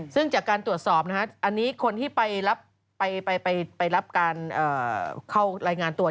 ซึ่งจากการตรวจสอบคนที่ไปรับการเข้ารายงานตรวน